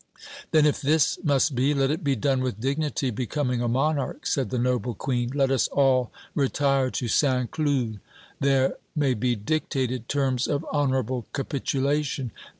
"Then if this must be, let it be done with dignity becoming a monarch," said the noble Queen. "Let us all retire to St. Cloud. There may be dictated terms of honorable capitulation.